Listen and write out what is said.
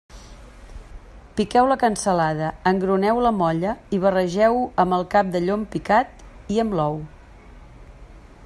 Piqueu la cansalada, engruneu la molla i barregeu-ho amb el cap de llom picat i amb l'ou.